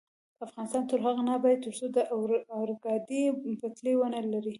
افغانستان تر هغو نه ابادیږي، ترڅو د اورګاډي پټلۍ ونلرو.